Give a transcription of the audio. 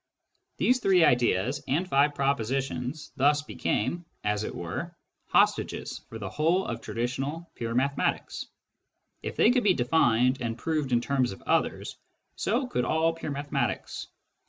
These three ideas and five propositions thus became, as it were, hostages for the whole of traditional pure mathe matics. If they could be defined and proved in terms of others, so could all pure mathematics.